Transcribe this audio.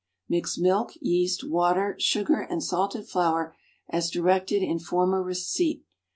Mix milk, yeast, water, sugar and salted flour as directed in former receipt.